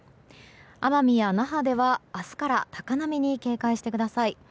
奄美や那覇では明日から高波に警戒してください。